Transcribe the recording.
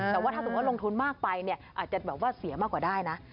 แต่ว่าถ้าสมมุติลงทุนมากไปเนี่ยอาจจะแบบว่าเสียมากกว่าได้นะ